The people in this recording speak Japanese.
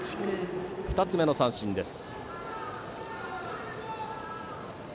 ２つ目の三振です。